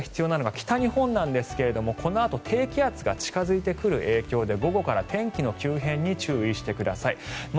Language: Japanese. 注意が必要なのが北日本なんですがこのあと低気圧が近付いてくる影響で午後から天気の急変に注意してください。